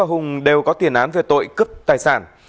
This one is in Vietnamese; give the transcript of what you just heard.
hùng đều có tiền án về tội cướp tài sản